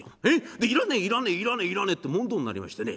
で要らねえ要らねえ要らねえ要らねえって問答になりましてね